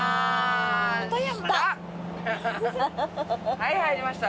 はい入りました。